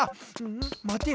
んまてよ。